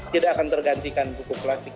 tidak akan tergantikan buku klasik